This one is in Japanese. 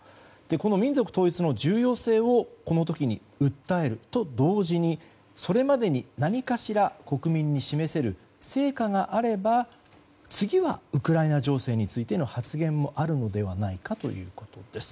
この民族統一の重要性をこの時に訴えると同時にそれまでに何かしら国民に示せる成果があれば次はウクライナ情勢についての発言もあるのではないかということです。